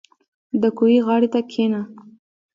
• د کوهي غاړې ته کښېنه.